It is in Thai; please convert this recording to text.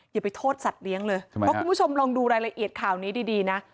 อย่าไปโทษสัตว์เลี้ยงเลยเพราะคุณผู้ชมลองดูรายละเอียดข่าวนี้ดีนะ